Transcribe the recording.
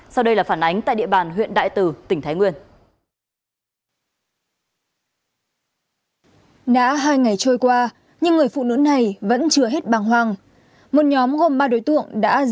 sau đây là phản ánh tại địa bàn huyện đại từ tỉnh thái nguyên